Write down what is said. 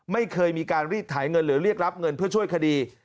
ไม่เคยมีการรีดถ่ายเงินหรือเรียกรับเงินเพื่อช่วยคดี